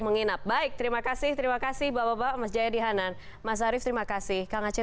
menginap baik terima kasih terima kasih bapak bapak mas jayadi hanan mas arief terima kasih kang aceh